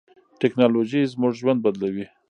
ټیکنالوژي زموږ ژوند بدلوي.